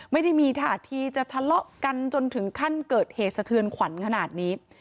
ไม่ได้มีท่าทีจะทะเลาะกันจนถึงขั้นเกิดเหตุสะเทือนขวัญขนาดนี้